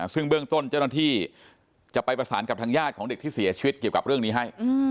ซึ่งเบื้องต้นเจ้าหน้าที่จะไปประสานกับทางญาติของเด็กที่เสียชีวิตเกี่ยวกับเรื่องนี้ให้